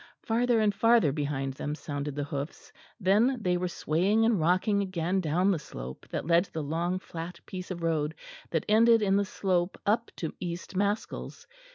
Farther and farther behind them sounded the hoofs; then they were swaying and rocking again down the slope that led to the long flat piece of road that ended in the slope up to East Maskells.